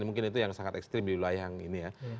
mungkin itu yang sangat ekstrim di wilayah yang ini ya